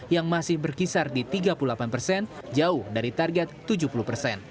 yang masih berkisar di tiga puluh delapan persen jauh dari target tujuh puluh persen